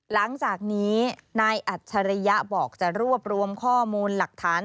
หลังจากนี้นายอัจฉริยะบอกจะรวบรวมข้อมูลหลักฐาน